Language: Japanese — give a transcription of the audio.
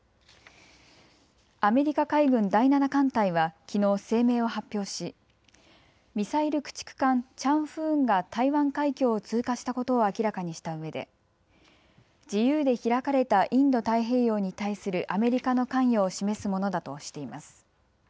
アメリカ海軍第７艦隊はきのう声明を発表しミサイル駆逐艦、チャンフーンが台湾海峡を通過したことを明らかにしたうえで自由で開かれたインド太平洋に対するアメリカの関与を示すものだとしています。